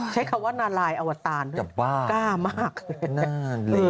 ใช้คำว่านาลายอวตารกล้ามากเลย